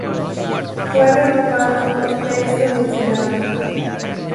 Fue renovado un tercio del Senado.